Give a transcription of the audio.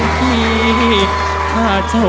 โชคชะตาโชคชะตา